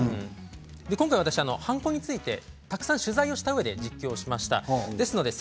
今回、私は、はんこについてたくさん取材したうえで実況をしました。